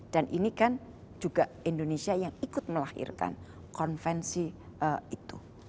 dan ini kan juga indonesia yang ikut melahirkan konvensi itu